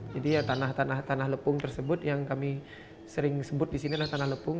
jadi tanah tanah lepung tersebut yang kami sering sebut di sini adalah tanah lepung